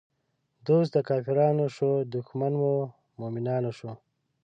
دوست د کافرانو شو، دښمن د مومنانو شو